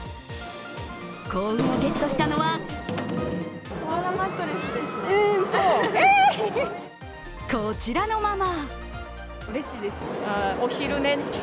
幸運をゲットしたのはこちらのママ。